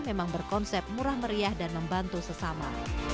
memang berkonsep murah meriah dan membantu sesama